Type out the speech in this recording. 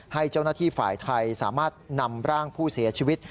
ให้เจ้าหน้าที่ฝ่ายไทยสามารถนำร่างผู้เสียชีวิต